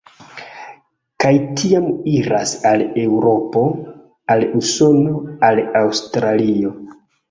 Kaj tiam iras al Eŭropo, al Usono, al Aŭstralio.